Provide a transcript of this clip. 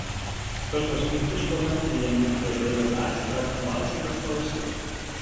Tots dos tipus poden adquirir en botigues de Belles Arts, Treballs manuals i Restauració.